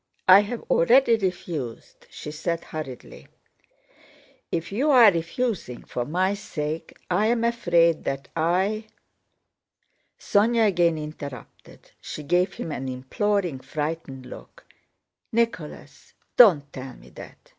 "I have already refused," she said hurriedly. "If you are refusing for my sake, I am afraid that I..." Sónya again interrupted. She gave him an imploring, frightened look. "Nicholas, don't tell me that!"